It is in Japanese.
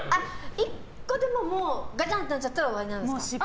１個でもガチャンってなったら終わりなんですか。